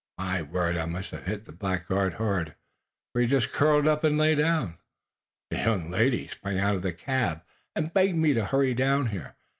My word, I must have hit the blackguard hard, for he just curled up and lay down. The young lady sprang out of the cab and begged me to hurry down here.